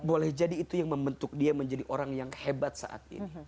boleh jadi itu yang membentuk dia menjadi orang yang hebat saat ini